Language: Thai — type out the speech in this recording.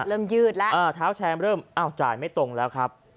ยืดแล้วเท้าแชร์เริ่มอ้าวจ่ายไม่ตรงแล้วครับ